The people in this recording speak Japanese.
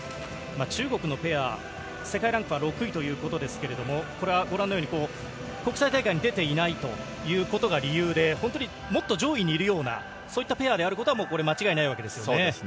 中国のペア、世界ランキングは６位ということですが、国際大会に出ていないということが理由で、もっと上位にいるようなペアであることは間違いないわけですね。